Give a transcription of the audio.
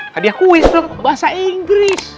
hadiah kuis tuh bahasa inggris